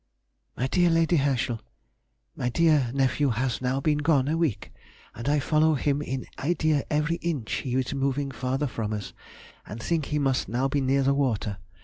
MY DEAR LADY HERSCHEL,— My dear nephew has now been gone a week, and I follow him in idea every inch he is moving farther from us, and think he must now be near the water.